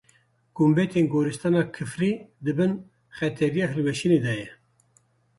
Gumbetên Goristana Kifrî di bin xetereya hilweşînê de ne.